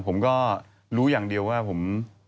ผมก็รู้อย่างเดียวว่าผม